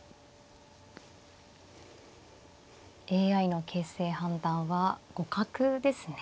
ＡＩの形勢判断は互角ですね。